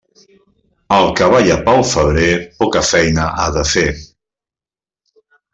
El que balla pel febrer poca feina ha de fer.